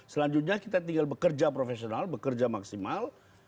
selanjutnya kita tinggal bekerja profesional bekerja maksimal